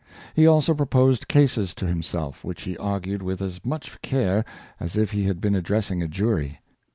He also proposed cases to himself, which he argued with as much care as if he had been addressing a jury.